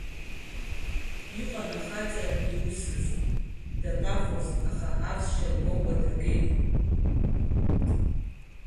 Иҟан ахаҵа иусыз, дабахәоз, аха авсшьа лмоукәа дагеит.